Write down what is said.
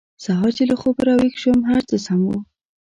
سهار چې له خوبه راویښ شوم هر څه سم وو